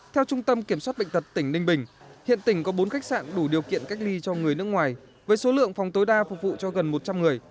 theo trung tâm kiểm soát bệnh tật tỉnh ninh bình hiện tỉnh có bốn khách sạn đủ điều kiện cách ly cho người nước ngoài với số lượng phòng tối đa phục vụ cho gần một trăm linh người